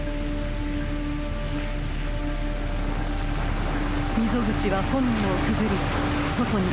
溝口は炎をくぐり外に飛び出しました。